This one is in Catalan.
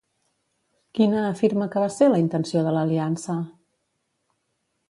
Quina afirma que va ser la intenció de l'aliança?